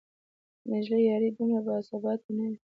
د نجلۍ یاري دومره باثباته نه وي